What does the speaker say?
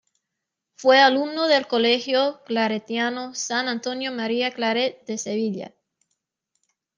Fue alumno del colegio claretiano "San Antonio María Claret" de Sevilla.